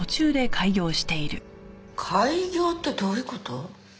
改行ってどういう事？